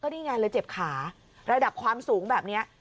นี่ไงเลยเจ็บขาระดับความสูงแบบนี้